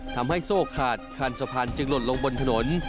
ทำให้โซ่ขาดคันสะพานจึงหล่นลงบนถนน